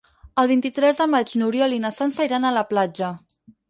El vint-i-tres de maig n'Oriol i na Sança iran a la platja.